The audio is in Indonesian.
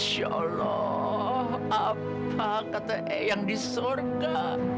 insya allah apa kata eyang di surga